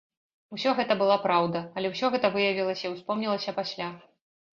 Усё гэта была праўда, але ўсё гэта выявілася і ўспомнілася пасля.